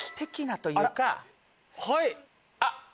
はい。